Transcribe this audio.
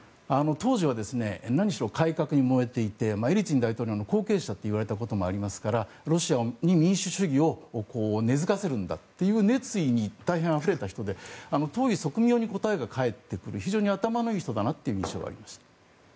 当時は何しろ改革に燃えていてエリツィン大統領の後継者と言われたこともありますからロシアに民主主義を根付かせるんだという熱意に大変あふれた人で当意即妙に答えが返ってくる非常に頭がいい人だという印象がありました。